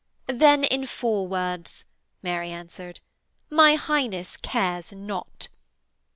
'Then, in four words,' Mary answered, 'my Highness cares not.'